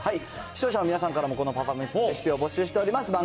視聴者の皆さんからも、このパパめしのレシピを募集しております。